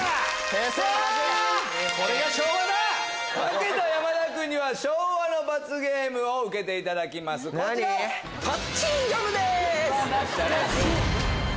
負けた山田君は昭和の罰ゲームを受けていただきますこちら！